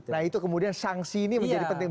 nah itu kemudian sanksi ini menjadi penting